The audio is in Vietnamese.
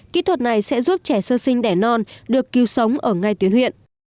kỹ thuật này sẽ giúp trẻ sơ sinh đẻ non được cứu sống ở ngay tuyến huyện